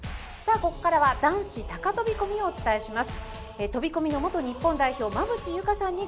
ここからは男子高飛込をお伝えします。